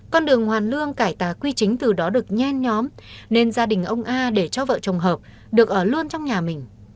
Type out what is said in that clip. con đường hoàn lương cải tá quy chính từ đó được nhen nhóm nên gia đình ông a để cho vợ chồng hợp được ở luôn trong nhà mình